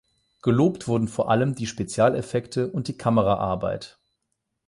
Gelobt wurden vor allem die Spezialeffekte und die Kameraarbeit.